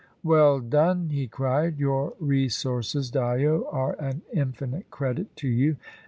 "Well done!" he cried. "Your resources, Dyo, are an infinite credit to you.